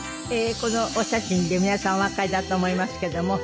このお写真で皆さんおわかりだと思いますけれども。